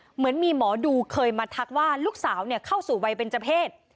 เหมือนมีหมอดูเคยมาทักว่าลูกสาวเข้าสู่วัยเบนเจอร์เพศ